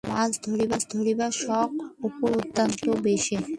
মাছ ধরিবার শখ অপুর অত্যন্ত বেশি।